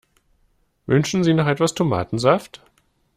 Wünschen Sie noch etwas Tomatensaft?